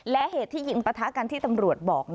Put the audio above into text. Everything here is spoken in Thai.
และเหตุที่ยิงปะทะกันที่ตำรวจบอก